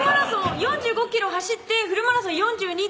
４５ｋｍ走ってフルマラソン４２．１９５